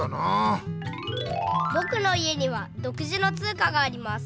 ぼくの家にはどくじのつうかがあります。